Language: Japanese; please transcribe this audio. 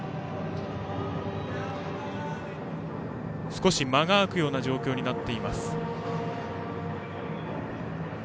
少し間が空くような状況になっています。